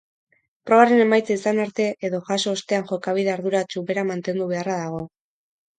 Probaren emaitza izan arte edo jaso ostean jokabide arduratsu bera mantendu beharra dago.